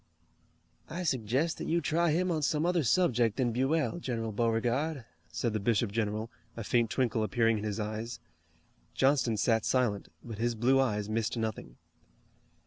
"I suggest that you try him on some other subject than Buell, General Beauregard," said the bishop general, a faint twinkle appearing in his eyes. Johnston sat silent, but his blue eyes missed nothing.